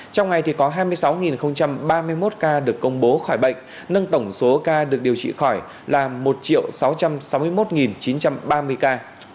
trong ngày có hai mươi sáu ba mươi một ca được công bố khỏi bệnh nâng tổng số ca được điều trị khỏi là một sáu trăm sáu mươi một chín trăm ba mươi ca